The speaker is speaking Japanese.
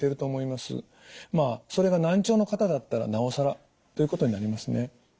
まあそれが難聴の方だったらなおさらということになりますね。